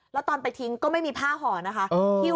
แล้วตอนไปทิ้งก็ไม่มีผ้าห่อนะคะ